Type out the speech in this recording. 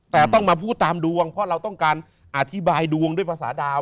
แต่ต้องมาพูดตามดวงเพราะเราต้องการอธิบายดวงด้วยภาษาดาว